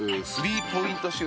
スリーポイント